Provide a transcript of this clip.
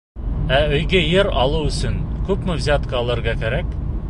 Ә өйгә ер алыу өсөн күпме взятка алырға кәрәк?